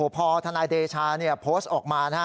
พอทนายเดชาโพสต์ออกมานะฮะ